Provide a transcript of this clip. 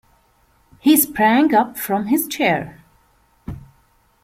He sprang up from his chair.